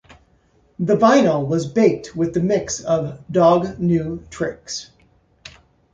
The vinyl was backed with the mix of "Dog New Tricks".